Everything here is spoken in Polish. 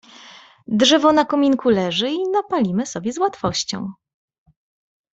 "Drzewo na kominku leży i napalimy sobie z łatwością."